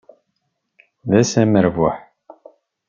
D ass amerbuḥ.